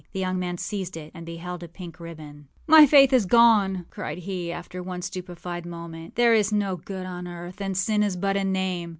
The young man seized it, and beheld a pink ribbon. âMy Faith is gone!â cried he, after one stupefied moment. âThere is no good on earth; and sin is but a name.